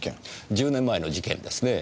１０年前の事件ですねぇ。